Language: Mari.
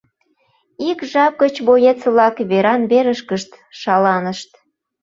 Ик жап гыч боец-влак веран-верышкышт шаланышт.